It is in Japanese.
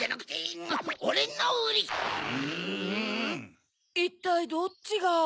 いったいどっちが。